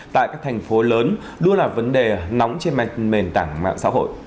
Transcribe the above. tại các thành phố lớn luôn là vấn đề nóng trên mềm tảng mạng xã hội